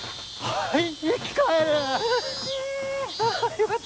はい。